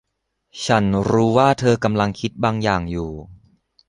ฉันรู้ว่าเธอกำลังคิดบางอย่างอยู่